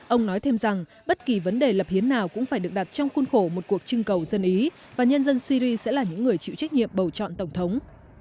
ông nói thêm rằng bất kỳ vấn đề lập hiến nào cũng phải được đặt trong khuôn khổ một cuộc trưng cầu dân ý và nhân dân syri sẽ là những người chịu trách nhiệm bầu chọn tổng thống